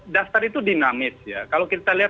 dasar itu dinamis ya kalau kita lihat